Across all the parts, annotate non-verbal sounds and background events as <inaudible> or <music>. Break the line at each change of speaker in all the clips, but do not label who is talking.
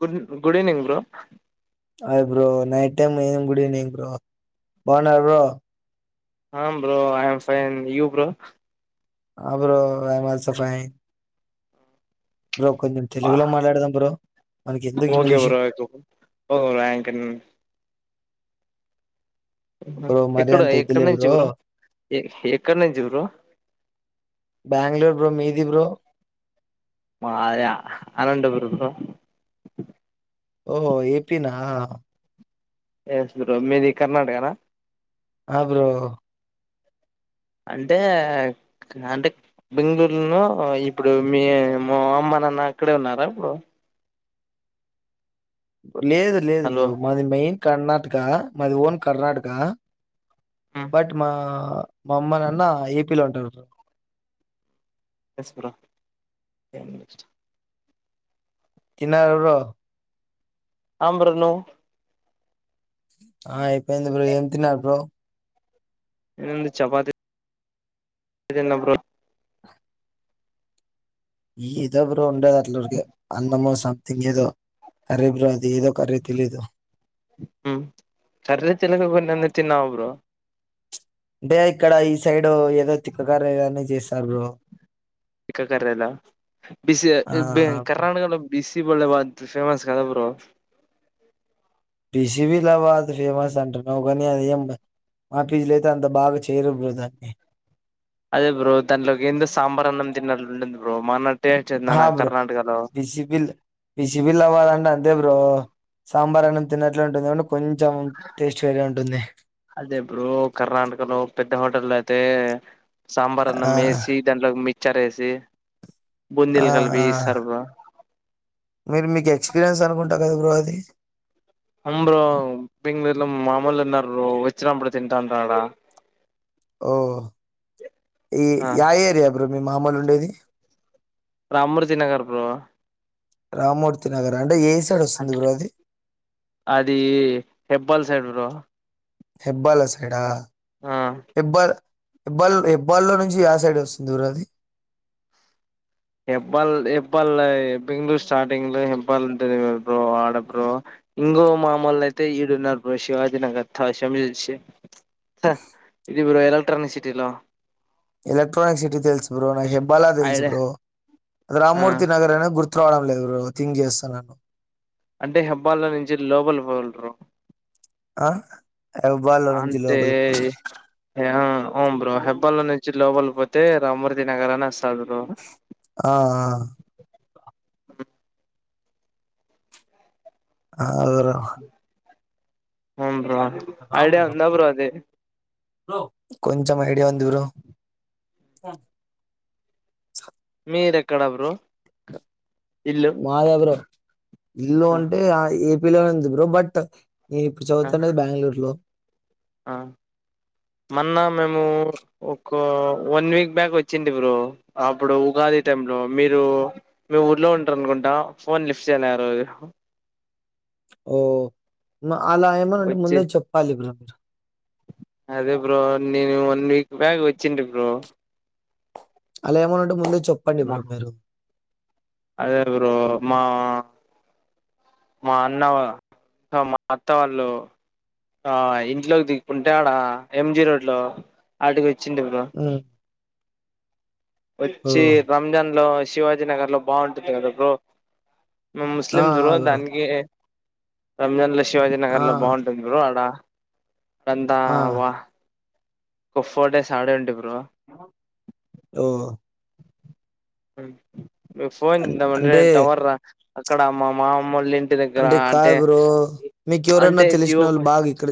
Good good evening bro
hi bro night time ఏం good evening bro బాగవున్నావ bro
um bro I'm fine you bro
uh bro I am also fine bro కొంచెం తెలుగులో మాట్లాడదాం bro మనకి ఎందుకు
okay
English
bro ఒ ర్యాంకన్
బ్రో మరీ
ఎక్కడ
అంత
ఎక్కడ
వద్దులే
నుంచి బ్రో ఎ ఎక్కడ నుంచి బ్రో
బెంగళూర్ బ్రో మీది బ్రో
మాద అనంతపూర్ బ్రో
ఓహో ఏపీనా
ఏస్ బ్రో మీది కర్ణాటకనా
ఆబ్రో
అంటే అంటే బెంగళూరులో ఇప్పుడు మీ మామ్మ నాన్న అక్కడే ఉన్నారా ఇప్పుడు
లేదు లేదు
హలో
బ్రో మాది మెయిన్ కర్ణాటక మాది ఓన్ కర్ణాటక బట్ మా మా అమ్మ నాన్న ఏపీలో ఉంటారు బ్రో
ఎస్ బ్రో
తిన్నార బ్రో
అమ్ బ్రో నువ్
ఆ అయిపోయింది బ్రో ఏం తిన్నారు బ్రో
ఏముంది చపాతి తిన్న బ్రో
ఈ ఇదో బ్రో ఉండేది అట్లరికి అన్నమొ సంథింగ్ ఏదో కర్రీ బ్రో ఇది ఏదో కర్రీ తెలీదు
ఉం కర్రి తెలియకుండా ఎందుకు తిన్నావు బ్రో
అంటే ఇక్కడ ఈ సైడ్ ఏదో తిక్కకర్రీలన్ని చేస్తారు బ్రో
తిక్కకర్రిలా బిసి
ఆ
బి కర్ణాటకలో బిసి బోలె బాద్ ఫేమస్ కదా బ్రో
పిసిబిలాబాద్ ఫేమస్ అంటునవు కని అది ఏం బ మాఫీజ్లో అయితే అంత బాగా చేయరు బ్రో దాన్ని
అదే బ్రో దాంట్లోకి ఎందు సాంబార్ అన్నం తిన్నట్ ఉంటుంది బ్రో మాన
హా బ్రో బీస్ బిల్ బీసి బిల్లవాద్ అంటె అ దే బ్రో సాంబార్ అన్న తిన్నట్లే ఉంటది కాని కొంచెం టేస్టువేరే ఉంటుంది
అదే బ్రో కర్ణాటకలో పెద్ద హోటల్లో అయితే సాంబార్
ఆ
అన్నం వేసి దాంట్లో మిక్చర్ ఏసి
ఆ ఆ మీరు మీకు ఎక్స్పీరియన్స్ అనుకుంటా కదా బ్రో అది
అండ్ బింగ్బిల్లం మామూలున్నారు ఓచ్చినప్పుడు తింటా ఉంటారాడ
ఓ ఈ
ఆ
యా ఏరియా బ్రో మీ మామూల్ ఉండేది
రామ్రోజినగర్ బ్రో
రామ్మూర్తి నగర్ అంటే ఏ సైడ్ ఓస్తుంది బ్రో అది
హెబ్బల్ సైడ్ బ్రో
హెబ్బాల సైడా
ఆ
హెబ్బాల్ ఎబ్బాల్ ఎబ్బాల్లో నుంచి యా సైడ్ ఓస్తుంది బ్రో అది
ఎబ్బాళ్ ఎబ్బాళ్ బెంగళూరు స్టార్టింగ్ లో ఎబ్బాళ్ ఉంటది కదా బ్రో ఆడ బ్రో ఇంగో మామ్మోల్ అయితే ఇడున్నారు బ్రో శివాజీ నగర్ థాశమిషి ఇది బ్రో ఎలక్ట్రనిక్ సిటీలో
ఎలక్ట్రానిక్ సిటీ తెల్సు బ్రో నాక్ హెబ్బాల తెల్సు
ఐడ
బ్రో
ఆ
రామ్మూర్తి నాగరైనా గుర్తు త్రావడంలేదు బ్రో థింక్ చేస్తున్నాను
అంటే హబ్బాల్లో నుంచి లోబల్ పోవాలిబ్రో
ఆ హెబ్బాల్లో నుంచి
అంటే
లోపలికి
యం బ్రో
పోవాలి
హెబ్బల నుంచి లోబల్ పోతే రామురిదినగరణ ఓస్
ఆ ఆ ఆగరా
అవున్ బ్రో ఐడియా ఉందా బ్రో అది
కొంచం ఐడియా ఉంది బ్రో
మీర్ ఎక్కడ బ్రో ఇల్లు
మాద బ్రో ఇల్లు
ఆ
అంటే ఏపీలోనే ఉంది బ్రో బట్ నేన్ ఇప్పుడ్ చదుతున్నది బెంగ్ళూరు లో
ఆ మన్న మేము ఒక వన్ వీక్ బ్యాక్ ఒచ్చింది బ్రో అప్పుడు ఉగా ది టైం లో మీరు మీ ఊర్లో ఉంటారు అనుకుంటా ఫోన్ లిఫ్ట్ చేయ్లే ఆ రోజు
ఓ అలా ఏమనుంటే
వచ్చి
ముందే చెప్పాలి బ్రో
అదే బ్రో నేను వన్ వీక్ బ్యాక్ ఒచ్చింది బ్రో
అలా ఏమనుంటే ముందే చెప్పండి
మా
బ్రో మీరు
అదే రురో మా మా అన్న సో మా అత్త వాళ్ళు ఆ ఇంట్లోకి దిక్కుంటే ఆడా ఎంజి రోడ్ లో అడిగి చింత వివ
ఉమ్,
ఒచ్చి
ఓ
రంజాన్ లో శివాజీ నగర్ లో బావుంటుంది కదా బ్రో మేమ్
ఆ
ముస్లిమ్స్
ఆ
బ్రో దానికి రంజాన్లో శివాజీ
ఆ
నగర్లో బావుంటుంది బ్రో అడ వందా
ఆ
వా ఓ ఫోడేస్ ఆడండి బ్రో
ఓ
మీ ఫోన్ ఇంత మంది
అంటే
తవర్దా అక్కడ మా మా మ్మోల్ ఇంటి దగ్గర అంటే
కాదు బ్రో మీకు ఎవరన్నా
అంటే
తెలిసిన
జీవో
వాళ్ళు బాగా ఇక్కడ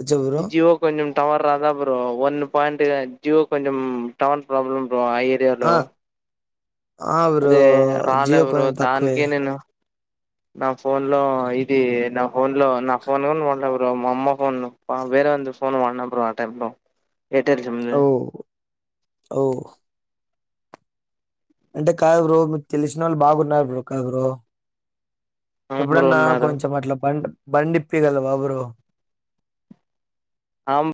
వచ్చా బ్రో
జివో కొంచెం టవర్ రాదా బ్రో ఒన్ పాయింట్ జివో కొంచెం టవర్ ప్రాబ్లమ్ ఆ ఏరియా లో
ఆ ఆ బ్రో జియో
బ్రో
కొంచెం తక్కువే
దానికే నేను నా ఫోన్ లో ఇది నా ఫోన్ లో నా ఫోన్ నువ్ ఉన్నావ్ బ్రో మా అమ్మ ఫోన్ వేరే ఉంది ఫోన్ వాడినం బ్రో ఆ టైం లో ఎయిర్టెల్ సిమ్ ది
ఓ ఓ అంటే కాదు బ్రో మీక్ తెల్సిన వాళ్ళ బాగున్నారు బ్రో కా బ్రో
అవును బ్రో
ఎప్పుడన్నా
అన్నారు
కొంచెం అట్లా పం బండిప్పిగలవా బ్రో
ఆమ్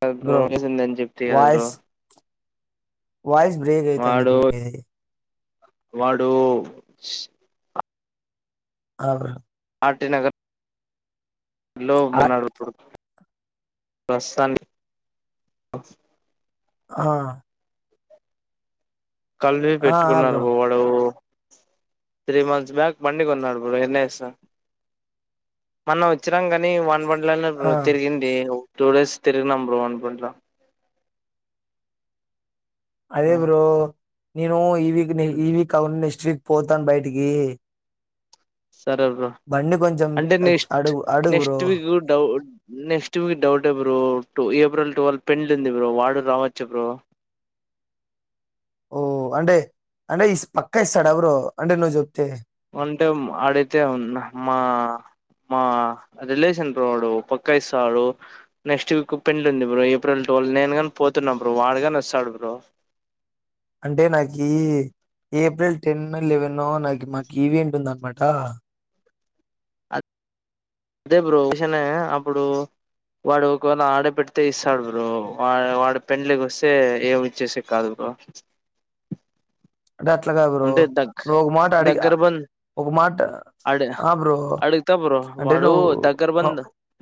క
బ్రో
ప్రామిస్సుందని చెప్తి గదా బ్రో
వాయిస్ వాయిస్ బ్రేక్ అయితాంది బ్రో మీదీ
వాడూ
ఆ బ్రో
ఆర్టీ నగర్ లో
ఆ
మన్నాడుత్తురు ప్రస్తాన్కి బ్రో
ఆ
కళ్ళే
ఆ ఆ!
పెట్టుకున్నారు బ్రో వాడూ త్రీ మంత్స్ బ్యాక్ బండి కొన్నాడు బ్రో ఎన్ ఎస్ మన్న వచ్చినం గాని వాన్ బన్ ల్లనే బ్రో
ఆ
తిరిగింది టూ డేస్ తిరిగినం బ్రో వాన్ బండ్లో
అదే బ్రో నేనూ ఈ వీక్ నె ఈ వీక్ కాకుండ నెక్స్ట్ వీక్ పోతాను బయటికీ
సరే బ్రో అంటే
అచ్-
నెక్స్ట్
అడుగు అడుగు బ్రో
నెక్స్ట్ వీక్ డౌ నెక్స్ట్ వీక్ డౌటే బ్రో టు ఏప్రిల్ టువెల్ పెండ్లుంది ఉంది బ్రో వాడు రావచ్చు బ్రో
ఓ అంటే అంటె ఇస్ పక్క ఇస్తాడా బ్రో అంటే నువ్ జెప్తే
అంటే అడిగితే ఉన్న మా మా రిలేషన్ బ్రో వాడు పక్కా ఇస్సాడు నెక్స్ట్ వీక్ పెండ్లుంది బ్రో ఏప్రిల్ టు వల్ నేను కాని పోతున్నా బ్రో వాడుగాని వస్తాడు బ్రో
అంటే నాకీ ఏప్రిల్ టెన్ లెవెననో నాకు మాకీ ఈవెంట్ ఉందన్మాట
అ దే బ్రో విషన్ అప్పుడు వాడు ఒకవేళ ఆడేపెడ్తే ఇస్తాడు బ్రో వా వాడు పెండ్లి కొస్తే ఏమి ఇచ్చేసెకి కాదు బ్రో
అంటే అట్లకాద్ బ్రో
అంటే దగ్
నువ్ ఒక మాట అడిగా ఒక మాట
అడ
ఆ బ్రో
అడుగ్త
అంటే
వాడు
నువ్వు
దగ్గర
ఆ,
బంద్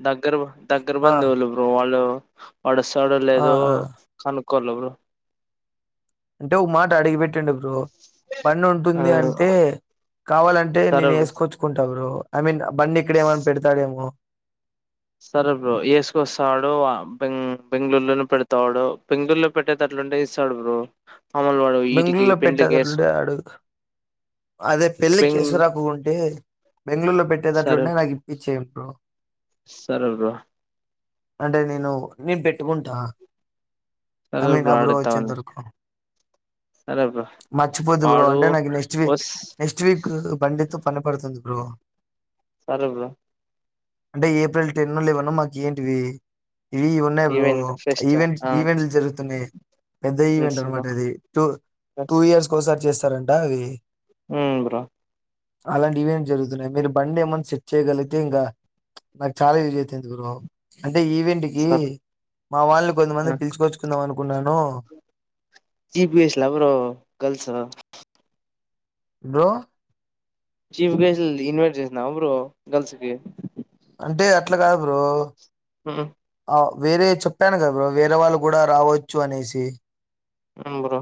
దగ్గర బ దగ్గర
ఆ,
బందువులు ఓ వాళ్ళు వాడొస్సాడో
ఆ,
లేదో
ఆ.
కనుక్కోల బ్రో
అంటే ఒక మాట అడిగి పెట్టిండు బ్రో పనుంటుంది అంటే కావాలంటే
సరే
నేను
బ్రో
ఏస్కొచ్చుకుంట బ్రో ఐ మీన్ బండి ఇక్కడే ఏమైన పెడతాడేమో
సరే బ్రో ఏస్కోస్సాడో ఆ బె బెంగళూరులోనే పెడతాడు బెంగళూరులో పెట్టేతట్లు అంటే ఇస్తాడు బ్రో మామూలు వాడు వీటికి
బెంగళూరులో
పెండ్లికి ఏసు
పెట్టెతట్లుంటే ఆడు అదే పెళ్లి
బెంగ్
కేస్కోరాకోకుంటే బెంగళూల్లో
సరే
పెట్టేదట్లుంటె నాకిప్పించే బ్రో
సరే బ్రో
అంటే నేను నేను పెట్టుకుంటా ఐ
సరే
మీన్
బ్రో
ఆ
ఆడుతా
బ్రోచ్చేంత వరకు
సరే బ్రో
మర్చిపోద్దూ బ్రో
వాడు
అంటే నాకీ నెక్స్ట్ వీక్
వస్
నెక్స్ట్ వీక్ బం డితో పని పడుతుంది బ్రో
సరే బ్రో
అంటే ఏప్రిల్ టెన్నూ లెవెనూ మా కేంటివి ఇవి ఉన్నాయి బ్రో
ఈవెంట్ ఫెస్ట్
ఈవెంట్
ఆ
ఈవెంట్లు జరుగుతున్నాయి పెద్ద ఈవెంట్
తెలుసు బ్రో
అన్మాట అది టూ టూ ఇయర్స్ కోసారి చేస్తారంట అవి
ఉమ్ బ్రో
అలాంటి ఈవెంట్ జరుగుతున్నాయి మీరు బండేమన్న సెట్ చేయగలిగితే ఇంకా నాకు చాలా యూజైతది బ్రో అంటే ఈవెంట్ కి
సరే
మా వాళ్ళను కొంతమంది పిల్చుకొచ్చుకుందాం అనుకున్నాను
T P S lover girls
bro
chief guest invite చేసినావ బ్రో గర్ల్స్ కి
అంటే అట్ల కాదు బ్రో
ఉమ్
వేరే చెప్పాను గా బ్రో వేరే వాళ్ళు గుడా రావచ్చు అనేసి
అవును బ్రో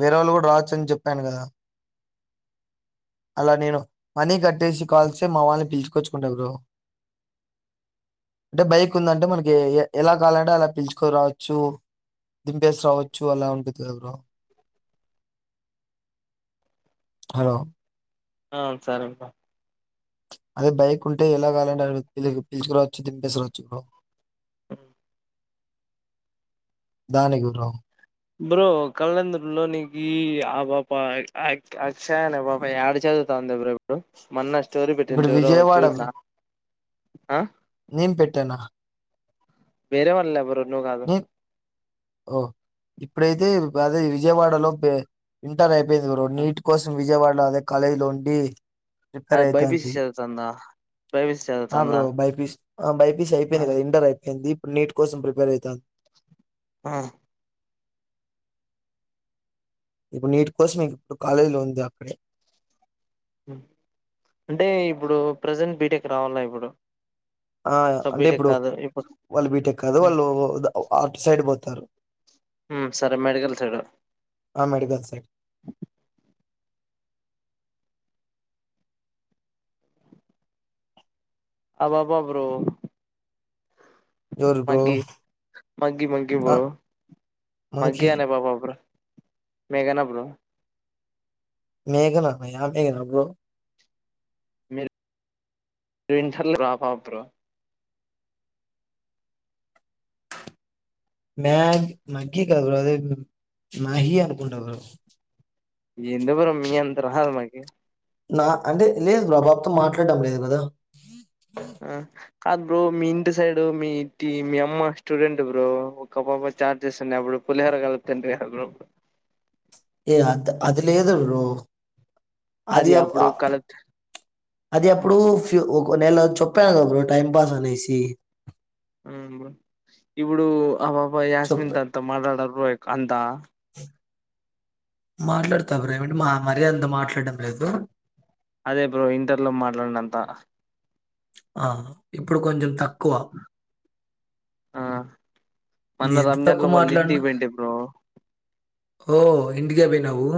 వేరే వాళ్ళు కూడా రావచ్చు అని చెప్పాను గదా అలా నేను మనీ కట్టేసి కాల్స్తే మా వాళ్ళని పిలుచుకొచ్చుకుంటా బ్రో అంటే బైక్ ఉందంటే మనకి ఎలా కాలంటే అలా పిలుచుకురావచ్చు దింపేసి రావచ్చు అలా ఉండుద్ది కదా బ్రో హలో
ఆ సరే బ్రో
అదే బైక్ ఉంటే ఎలాగాలంటే అ పిలుచుకురావచ్చు దింపేసిరావచ్చు
ఉ
దానికి బ్రో
బ్రో కళంద్రలో నీనకి ఆ పాప అక్షయనే పాప ఏడ చదువు తంద బ్రో ఎప్పుడు మొన్న స్టోరి
ఇప్పుడు
పెట్టింది ఎవరో చూసిన అ
నేన్ పెట్టానా
వేరే వాళ్ళే బ్రో నువ్ కాదు
ఒ ఇప్పుడైతే అదే విజయవాడలో పె ఇంటర్ అయిపో యింది బ్రో నీట్ కోసం విజయవాడ అదే కాలేజీ లో ఉండి ప్రిపేర్
అమే బై పి సి
అయితాంది.
చదువుతందా
ఆ బ్రో బైపీస్ బైపీసి
ఆ
అయిపోయింది కదా ఇంటర్ అయిపోయింది ఇప్పుడు నీట్ కోసం ప్రిపేర్ అయితంది
ఆ
ఇప్పుడు నీట్ కోసం ఇప్పుడు కాలేజీలో ఉంది అక్కడే
ఉమ్ అంటే ఇప్పుడు ప్రజెంట్ బీటెక్ రావల్నా ఇప్పుడు
ఆ
సో
అంటే
బీటెక్
ఇప్పుడు
కాదు ఇప్పుడు
వాళ్ళు బీటెక్ కాదు వాళ్ళు అటు సైడ్ పో తారు
ఉమ్ సరే మెడికల్ సైడ్
ఆ! Medical side.
అబ బా బ్రో
ఎవరు బ్రో?
మగ్గి మగ్గీ మగ్గీ
ఆ!
బ్రో
మనకి
మాగ్గీ అనే పాప బ్రో మేఘనా బ్రో
మేఘనా అమ్మాయి ఆంటే గాన బ్రో
ట్విన్సన్ని రాపాప బ్రో
మె మగ్గి కాదు <unintelligible> మహీ అనుకుంట బ్రో
ఎందుకు బ్రో మీ అంత రాదు మాకి
నా అంటే లేదు అ పాబాతో మాట్లాడడం లేదు కదా
ఆ కాదు బ్రో మీ ఇంటి సైడు మీ ఇంటి మీ అమ్మ స్టూడెంట్ బ్రో ఒక పాప చాట్ చేస్తుండే అప్పుడు పులిహోరా కాల్పుతుంటే హ బ్రో
ఏ అంత్ అది లేదు బ్రో అది అప
అప్పుడు కలుప్
అది అప్పుడు ఫ్యూ కొ నెల చెప్పాను బ్రో టైం పాస్ అనేసి
ఉమ్ బ్రో ఇప్పుడు అపాప యాస్మిన్
చెప్పా
తొ అంత మాటడారు బ్రో అంతా
మాట్లాడతా బ్రో ఏమంటే మా మరి అంత మాట్లాడడం లేదు
అదే బ్రో ఇంటర్లో మాట్లాడినంత
ఆ ఇప్పుడు కొంచెం తక్కువ
ఆ
నీ
మొన్న
ఎంత
రంజాన్ లో
తక్కువ
వాళ్ళ
మాట్లాడిన
ఇంటికి పోయింటి బ్రో
ఓ ఎండిగాభోయ్నావు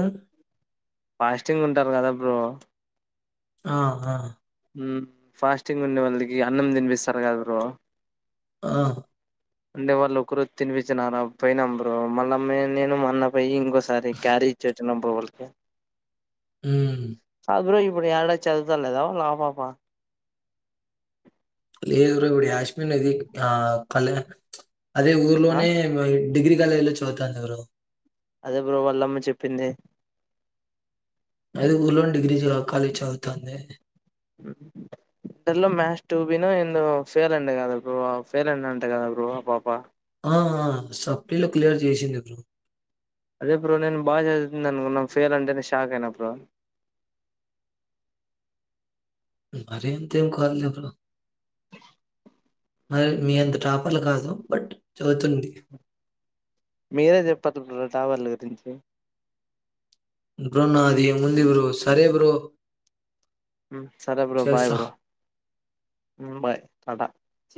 ఫాస్టింగ్ ఉంటారు గదా బ్రో
ఆహ్ ఆహ్
మ్ ఫాస్టింగ్ ఉండే వాళ్ళికి అన్నం తినిపిస్తారు కదా బ్రో
ఆ
అంటే వాళ్ళు ఒకరు తినిపిచ్చినారా పోయ్నం బ్రో మళ్ళ నేను మా అన్న పోయి ఇంకోసారి క్యారీ ఇచ్చెచ్చినం బ్రో వల్కి
మ్
అప్పురు ఇప్పుడు యడా చదుతా లేదా లా పాపా
లేదు బ్రో ఇప్పుడు యాశ్మీర్ నది ఆ కళ అదే
ఆ
ఊర్లోనే డిగ్రీ కాలేజ్లో చదువుతాంది బ్రో
అదే బ్రో వాళ్లమ్మ చెప్పింది
అదే ఉర్లోని డిగ్రీ కాలేజ్ చదువుతోంది
ఇన్టర్ లో మ్యాస్ టూ బినో ఎందో ఫెయిల్ అంది కదా బ్రో ఫెల్ అంది అంటే కదా బ్రో ఆ పాప
ఆ సఫ్లీలో క్లియర్ చేసింది బ్రో
అదే బ్రో నేను బాగా చదువుతుంది అనుకున్నా ఫెయిల్ అంటేనే షాక్ అయినా బ్రో
మరి అంతేం కాదులే బ్రో మరి మీ అంత టాపర్లు కాదు బట్ చదువుతుంది
మీరే చెప్పద్దు బ్రో టాపర్ల గురించి
ఇంక నాదేముంది బ్రో సరే బ్రో
మ్ సరే బ్రో బాయ్
చేస్తా.
బ్రో బాయ్ టాట సి